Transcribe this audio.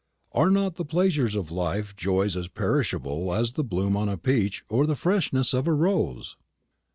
Are not the chief pleasures of life joys as perishable as the bloom on a peach or the freshness of a rose?